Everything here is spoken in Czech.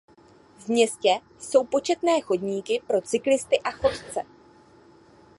V městě jsou početné chodníky pro cyklisty a chodce.